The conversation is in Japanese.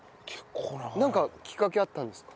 なんかきっかけあったんですか？